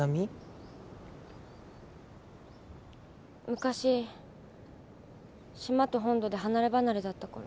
昔島と本土で離れ離れだったころ。